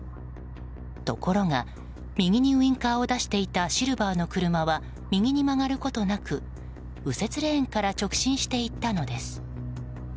ところが、右にウィンカーを出していたシルバーの車は右に曲がることなく右折レーンから直進していったのです。